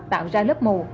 tạo ra lớp mù